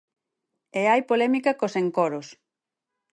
E hai polémica cos encoros.